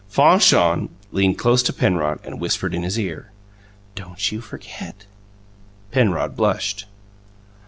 Fanchon leaned close to Penrod and whispered in his ear: "Don't you forget!" Penrod blushed.